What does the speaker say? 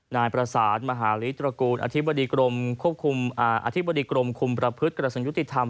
นายประสานมหาลิตรกูนอธิบดีกรมคุมประพฤติกรสนยุติธรรม